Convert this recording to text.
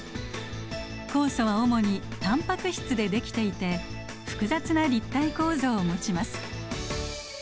酵素は主にタンパク質でできていて複雑な立体構造を持ちます。